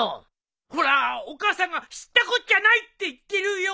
ほらお母さんが知ったこっちゃないって言ってるよ。